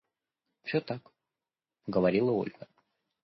– Все так, – говорила Ольга.